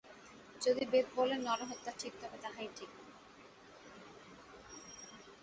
যদি বেদ বলেন, নরহত্যা ঠিক, তবে তাহাই ঠিক।